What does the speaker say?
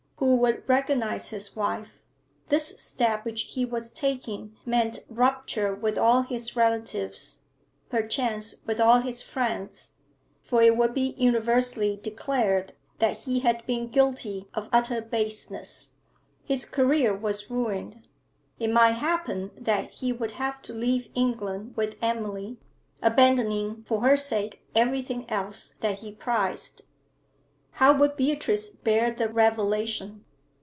Who would recognise his wife? This step which he was taking meant rupture with all his relatives, perchance with all his friends; for it would be universally declared that he had been guilty of utter baseness. His career was ruined. It might happen that he would have to leave England with Emily, abandoning for her sake everything else that he prized. How would Beatrice bear the revelation?